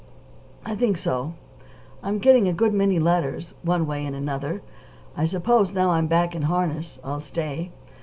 "I think so. I am getting a good many letters, one way and another. I suppose, now I'm back in harness, I'll stay.